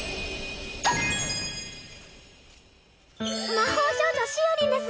魔法少女しおりんです。